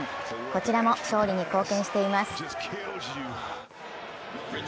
こちらも勝利に貢献しています。